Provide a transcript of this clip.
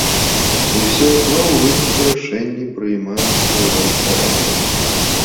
Усё адно ў выніку рашэнні прымаюцца ў рэктараце.